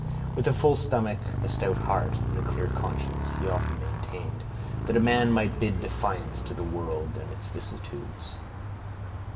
With a full stomach, a stout heart, and a clear conscience, he often maintained that a man might bid defiance to the world and its vicissitudes.